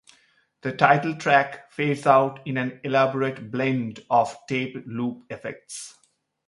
The title track fades out in an elaborate blend of tape loop effects.